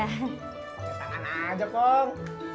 pake tangan aja wal